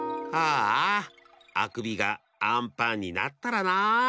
ああくびがあんパンになったらなあ。